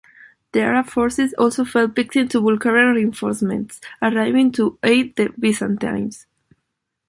The Arab forces also fell victim to Bulgarian reinforcements arriving to aid the Byzantines.